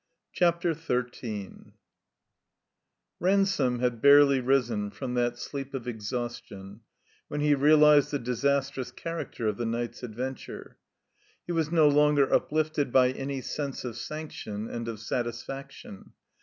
CHAPTER XIII RANSOME had barely risen from that sleep of exhaustion when he realized the disastrous character of the night's adventtire. He was no longer uplifted by any sense of sanction and of satisfaction.